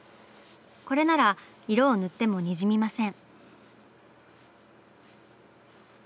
これなら色を塗ってもにじみません。